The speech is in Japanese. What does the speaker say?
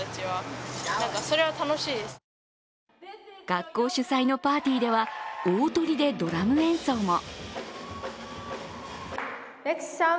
学校主催のパーティーでは大トリでドラム演奏も。